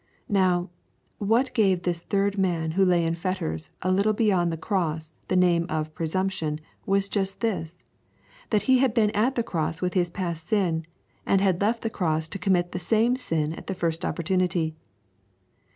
Now, what gave this third man who lay in fetters a little beyond the cross the name of Presumption was just this, that he had been at the cross with his past sin, and had left the cross to commit the same sin at the first opportunity.